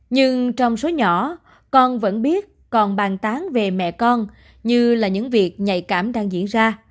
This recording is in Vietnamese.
nhưng trong số nhỏ con vẫn biết còn bàn tán về mẹ con như là những việc nhạy cảm đang diễn ra